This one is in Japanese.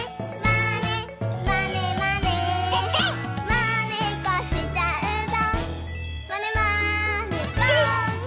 「まねっこしちゃうぞまねまねぽん！」